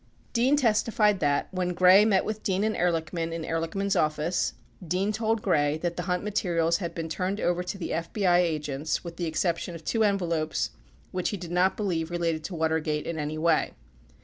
13 Dean testified that, when Gray met with Dean and Ehrlichman in Ehrlichman's office, Dean told Gray that the Hunt materials had been turned over to the FBI agents with the exception of two envelopes which he did not believe related to Watergate in any way.